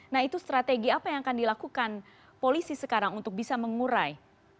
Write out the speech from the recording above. nah itu strategi apa yang akan dilakukan polisi sekarang untuk bisa mengurai